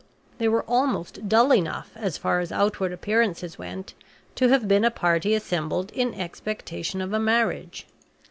They were almost dull enough, as far as outward appearances went, to have been a party assembled in expectation of a marriage.